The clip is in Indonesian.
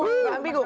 kalau yang ambigo